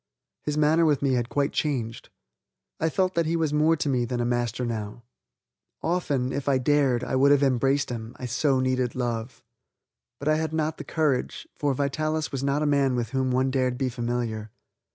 His manner with me had quite changed. I felt that he was more to me than a master now. Often, if I dared, I would have embraced him, I so needed love. But I had not the courage, for Vitalis was not a man with whom one dared be familiar.